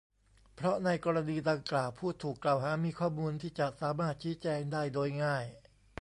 เพราะในกรณีดังกล่าวผู้ถูกกล่าวหามีข้อมูลที่จะสามารถชี้แจงได้โดยง่าย